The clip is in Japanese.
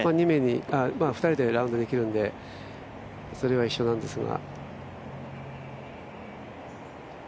２人でラウンドできるんでそれは一緒なんですが。